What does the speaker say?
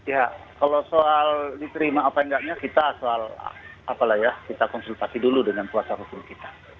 ya kalau soal diterima apa enggaknya kita soal apalah ya kita konsultasi dulu dengan kuasa hukum kita